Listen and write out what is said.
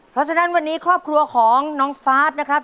เพราะฉะนั้นวันนี้ครอบครัวของน้องฟ้านะครับ